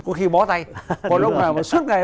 có khi bó tay còn ông nào suốt ngày